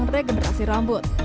mendorong regenerasi rambut